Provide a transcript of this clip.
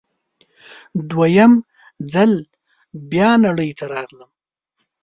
دوه یم ځل بیا نړۍ ته راغلم